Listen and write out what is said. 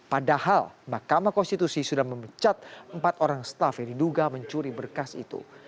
padahal mahkamah konstitusi sudah memecat empat orang staff yang diduga mencuri berkas itu